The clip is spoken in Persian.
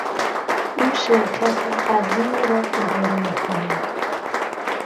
او شرکت عظیمی را اداره میکند.